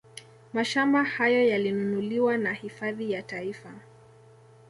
Mashamba hayo yalinunuliwa na hifadhi ya Taifa